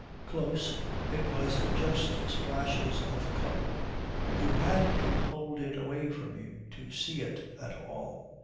Close, it was just splashes of colour; you had to hold it away from you to see it at all.